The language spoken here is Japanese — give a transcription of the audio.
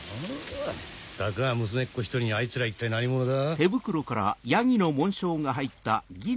たかが娘っ子１人にあいつら一体何者だ？